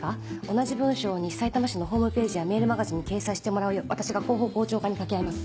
同じ文章を西さいたま市のホームページやメールマガジンに掲載してもらうよう私が広報広聴課に掛け合います。